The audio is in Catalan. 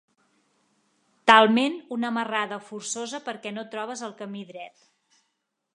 Talment una marrada forçosa perquè no trobes el camí dret.